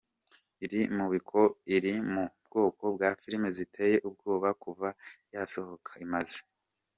Iri mu bwoko bwa filime ziteye ubwoba, kuva yasohoka imaze